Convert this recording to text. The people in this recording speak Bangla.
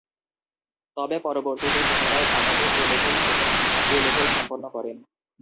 তবে পরবর্তীতে পুনরায় ঢাকাতে ও লেভেল এবং এ লেভেল সম্পন্ন করেন।